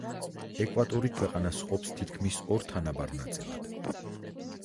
ეკვატორი ქვეყნას ჰყოფს თითქმის ორ თანაბარ ნაწილად.